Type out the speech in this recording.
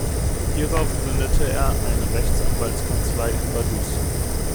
Hierauf gründete er eine Rechtsanwaltskanzlei in Vaduz.